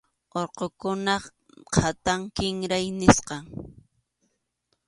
Urqukunap qhatanqa kinray nisqam.